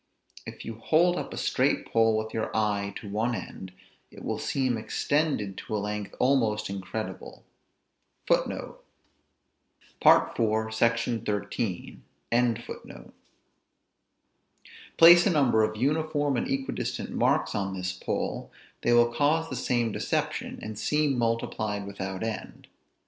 If you hold up a straight pole, with your eye to one end, it will seem extended to a length almost incredible. Place a number of uniform and equi distant marks on this pole, they will cause the same deception, and seem multiplied without end.